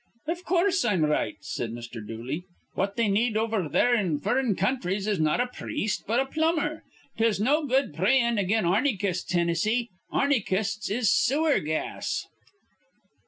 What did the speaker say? "Iv coorse I'm right," said Mr. Dooley. "What they need over there in furrin' counthries is not a priest, but a plumber. 'Tis no good prayin' again arnychists, Hinnissy. Arnychists is sewer gas."